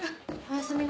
おやすみ。